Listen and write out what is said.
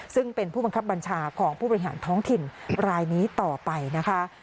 ซึ่งเป็นผู้บังคับบัญชาของผู้บริหารท้องถิ่นรายนี้ต่อไปนะคะ